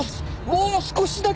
もう少し！